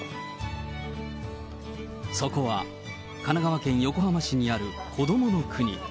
そこは、神奈川県横浜市にある、こどもの国。